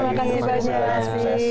terima kasih banyak